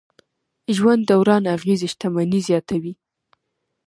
ژوند دوران اغېزې شتمني زیاتوي.